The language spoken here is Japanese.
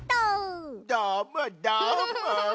どーもどーも。